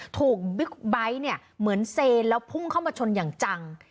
บิ๊กไบท์เนี่ยเหมือนเซนแล้วพุ่งเข้ามาชนอย่างจัง